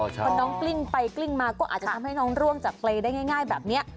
พอน้องกลิ้งไปกลิ้งมาก็อาจจะทำให้น้องร่วงจากเปรย์ได้ง่ายแบบนี้